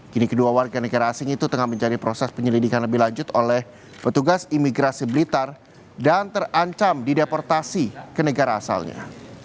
kini kedua warga negara asing itu tengah mencari proses penyelidikan lebih lanjut oleh petugas imigrasi blitar dan terancam dideportasi ke negara asalnya